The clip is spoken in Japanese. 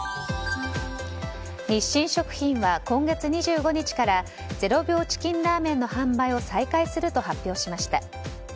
日清食品は今月２５にから０秒チキンラーメンの販売を再開すると発表しました。